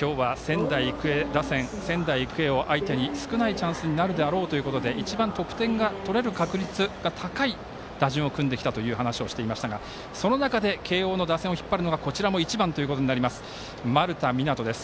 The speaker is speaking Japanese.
今日は仙台育英を相手に少ないチャンスになるであろうということで一番、得点が取れる確率が高い打順を組んできたという話をしていましたがその中で慶応の打線を引っ張るのが、こちらも１番、丸田湊斗です。